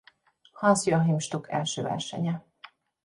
Hans-Joachim Stuck első versenye.